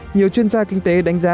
nhiều chuyên gia kinh tế đánh giá